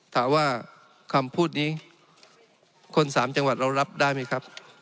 ถามว่าคำพูดนี้คนสามจังหวัดเรารับได้ไหมครับ